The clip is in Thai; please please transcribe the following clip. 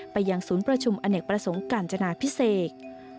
ไปยังศูนย์ประชุมอเนกประสงค์กาญจนาพิเศษ